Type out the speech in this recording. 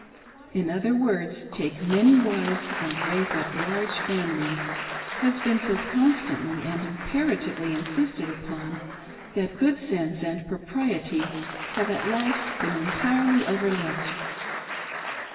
— in other words, take many wives and raise up large families — has been so constantly and imperatively insisted upon that good sense and propriety have at last been entirely overlooked.